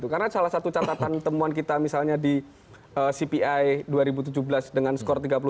karena salah satu catatan temuan kita misalnya di cpi dua ribu tujuh belas dengan skor tiga puluh tujuh